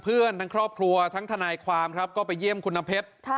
ทั้งครอบครัวทั้งทนายความครับก็ไปเยี่ยมคุณน้ำเพชร